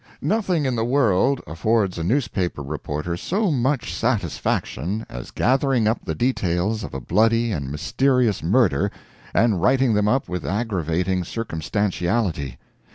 Nothing in the world affords a newspaper reporter so much satisfaction as gathering up the details of a bloody and mysterious murder and writing them up with aggravating circumstantiality.